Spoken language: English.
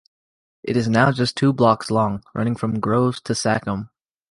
It is now just two blocks long, running from Grove to Sachem.